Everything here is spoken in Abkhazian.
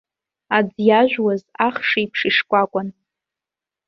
Аӡ иажәуаз, ахш еиԥш ишкәакәан.